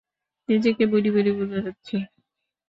নিজেকে বুড়ি-বুড়ি মনে হচ্ছে।